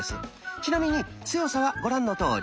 ちなみに強さはご覧のとおり。